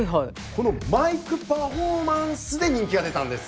このマイクパフォーマンスで人気が出たんですね。